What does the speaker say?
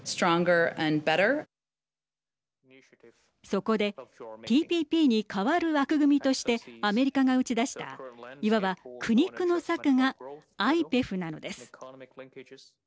そこでＴＰＰにかわる枠組みとしてアメリカが打ち出したいわば苦肉の策がＩＰＥＦなのです。